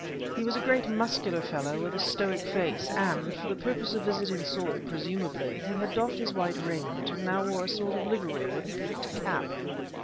He was a great, muscular fellow with a stoic face, and, for the purpose of visiting Saul, presumably, he had doffed his white raiment and now wore a sort of livery, with a peaked cap.